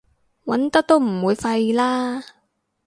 揾得都唔會廢啦